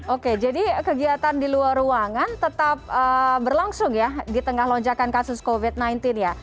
oke jadi kegiatan di luar ruangan tetap berlangsung ya di tengah lonjakan kasus covid sembilan belas ya